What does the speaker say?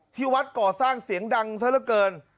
ที่วัดก่อสร้างเสียงดังซะละเกิน